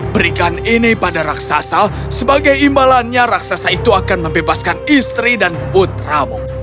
berikan ini pada raksasa sebagai imbalannya raksasa itu akan membebaskan istri dan putramu